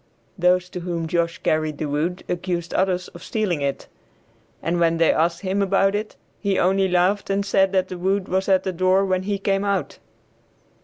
Those to whom Josh carried the wood accused others of stealing it, and when they asked him about it, he only laughed and said that the wood was at the door when he came out.